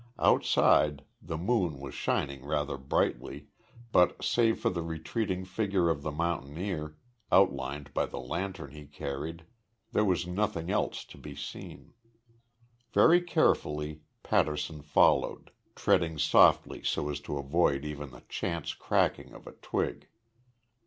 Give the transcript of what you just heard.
Outside, the moon was shining rather brightly, but, save for the retreating figure of the mountaineer outlined by the lantern he carried there was nothing else to be seen. Very carefully Patterson followed, treading softly so as to avoid even the chance cracking of a twig.